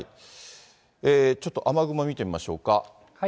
ちょっと雨雲見てみましょうか。